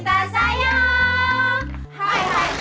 bupati salam jantung